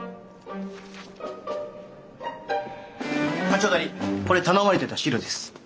課長代理これ頼まれてた資料です。